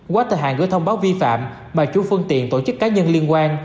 quá thời hạn gửi thông báo vi phạm mà chủ phương tiện tổ chức cá nhân liên quan